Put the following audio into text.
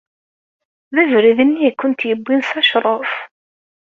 D abrid-nni i kent-yewwin s acṛuf?